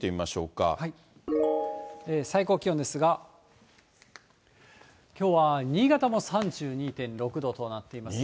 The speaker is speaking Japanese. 最高気温ですが、きょうは新潟も３２．６度となっています。